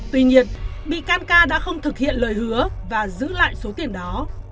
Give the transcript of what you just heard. tuy nhiên bị can ca đã không thực hiện lời hứa và giữ lại số tiền đó